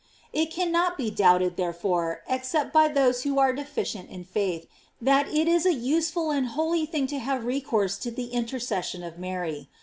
J It cannot be doubted, therefore, except by those "wbo are deficient in faith, that it is a useful and holy thing to have recourse to the interces sion of Mary.